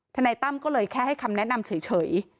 นายตั้มก็เลยแค่ให้คำแนะนำเฉย